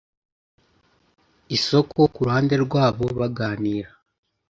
isoko kuruhande rwabo baganira